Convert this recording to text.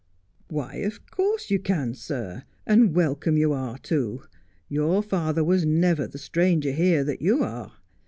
' Why, of course you can, sir ; and welcome you are, too. Your father was never the stranger here that you are.